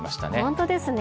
本当ですね。